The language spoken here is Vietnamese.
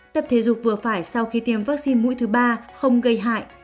tập thể dục vừa phải sau khi tiêm vaccine mũi thứ ba không gây hại